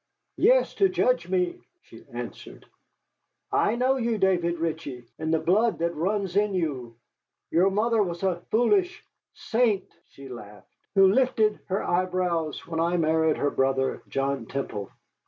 "Yes, to judge me," she answered. "I know you, David Ritchie, and the blood that runs in you. Your mother was a foolish saint" (she laughed), "who lifted her eyebrows when I married her brother, John Temple.